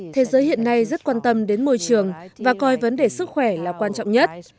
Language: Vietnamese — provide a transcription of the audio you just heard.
thế giới hiện nay rất quan tâm đến môi trường và coi vấn đề sức khỏe là quan trọng nhất